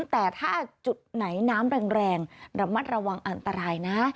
แต่ถ้าจุดไหนน้ำแรงระมัดระวังอันตรายนะ